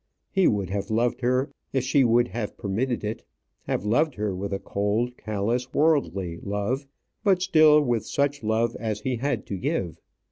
He would have loved her, if she would have permitted it; have loved her with a cold, callous, worldly love; but still with such love as he had to give.